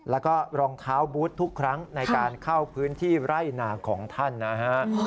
แล้วก็รองเท้าบูธทุกครั้งในการเข้าพื้นที่ไร่นาของท่านนะฮะ